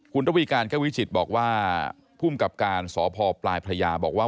คุณระวีการแก้ววิจิตบอกว่าภูมิกับการสพปลายพระยาบอกว่า